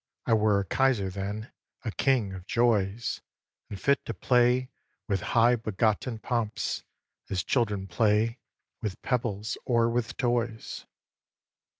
I were a kaiser then, a king of joys, And fit to play with high begotten pomps As children play with pebbles or with toys.